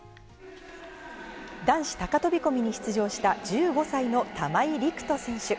男子高飛び込みに出場した１５歳の玉井陸斗選手。